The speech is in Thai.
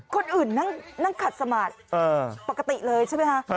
คนอื่นนั่งขัดสมาธิปกติเลยใช่ไหมคะ